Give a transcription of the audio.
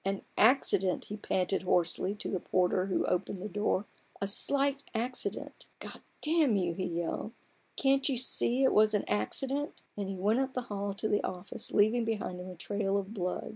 "An accident," he panted hoarsely to the porter who opened the door :" a slight accident ! God damn you !" he yelled, "can't you see it was an accident ?" and he went up the hall to the office, leaving behind him a trail of blood.